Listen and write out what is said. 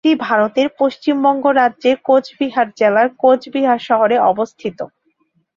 এটি ভারতের পশ্চিমবঙ্গ রাজ্যের কোচবিহার জেলার কোচবিহার শহরে অবস্থিত।